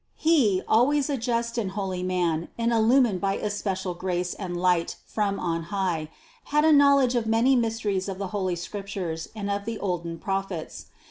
He, always a just and holy man and illumined by especial grace and light from on high, had a knowledge of many mysteries of the holy Scriptures and of the olden Prophets.